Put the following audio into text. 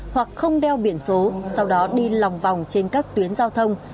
hoặc không đeo biển số sau đó đi lòng vòng trên các tuyến giao thông